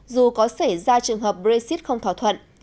dù có xảy ra trường hợp brexit không thỏa thuận